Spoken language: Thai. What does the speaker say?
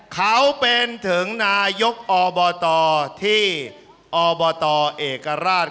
เขาเป็นถึงนายกอบตที่อบตเอกราช